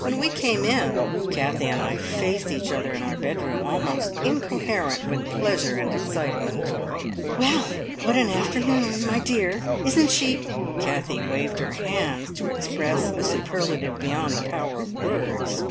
When we came in, Kathie and I faced each other in our bedroom, almost incoherent with pleasure and excitement. "Well! What an afternoon! My dear, isn't she " Kathie waved her hands to express a superlative beyond the power of words.